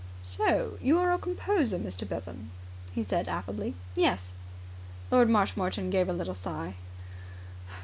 "So you are a composer, Mr. Bevan?" he said affably. "Yes." Lord Marshmoreton gave a little sigh.